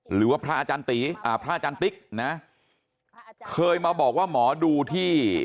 หรือว่าพระอาจารย์ติ๊กเคยมาบอกว่าหมอดูที่